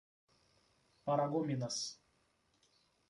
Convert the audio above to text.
Paragominas